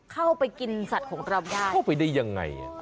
เข้าไปกินสัตว์ของเราได้เข้าไปได้ยังไง